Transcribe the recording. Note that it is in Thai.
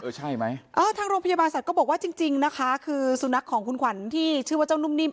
ใช่ไหมเออทางโรงพยาบาลสัตว์ก็บอกว่าจริงจริงนะคะคือสุนัขของคุณขวัญที่ชื่อว่าเจ้านุ่มนิ่ม